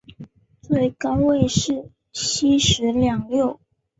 最高位是西十两六。